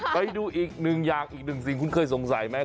ไปดูอีกหนึ่งอย่างอีกหนึ่งสิ่งคุณเคยสงสัยไหม